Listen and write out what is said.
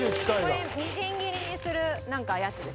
これみじん切りにするやつです。